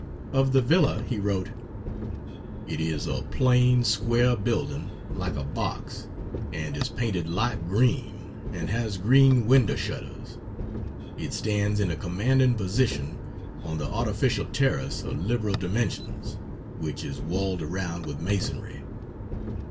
Of the villa he wrote: "It is a plain, square building, like a box, and is painted light green and has green window shutters. It stands in a commanding position on the artificial terrace of liberal dimensions, which is walled around with masonry.